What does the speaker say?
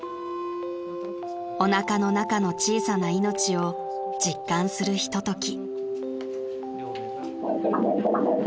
［おなかの中の小さな命を実感するひととき］